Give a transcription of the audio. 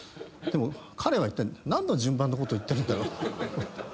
でも彼はいったい何の順番のことを言ってるんだ。